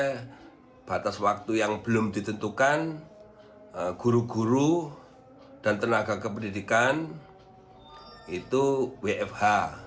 hai batas waktu yang belum ditentukan guru guru dan tenaga kependidikan itu wfh